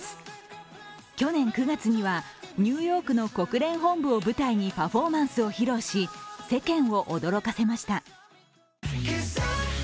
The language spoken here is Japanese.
去年９月にはニューヨークの国連本部を舞台にパフォーマンスを披露し世間を驚かせました。